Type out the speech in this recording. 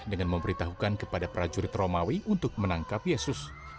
dengan memberitahukan kepada prajurit romawi untuk menangkap yesus